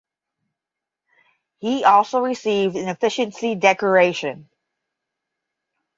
He also received an Efficiency Decoration.